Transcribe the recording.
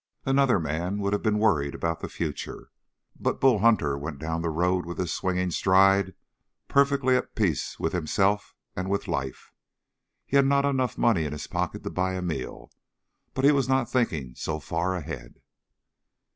Another man would have been worried about the future; but Bull Hunter went down the road with his swinging stride, perfectly at peace with himself and with life. He had not enough money in his pocket to buy a meal, but he was not thinking so far ahead.